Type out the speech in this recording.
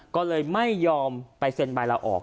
ก็เลยไม่ยอมไปเซ็นใบลาออก